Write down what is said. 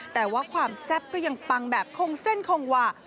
แต่ว่าความแซ่บก็ยังปังแบบคงเส้นคงหว่า